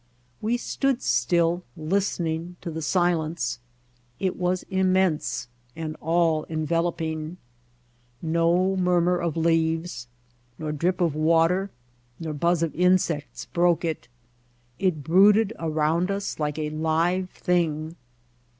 We stood still listening to the silence. It was immense and all enveloping. No murmur of leaves, nor drip of water, nor buzz of insects broke it. It brooded around us like a live thing.